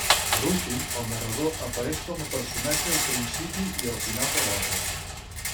Per últim, el narrador apareix com a personatge al principi i al final de l'obra.